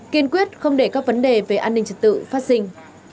kiên quyết không để các vấn đề về an ninh trật tự phát sinh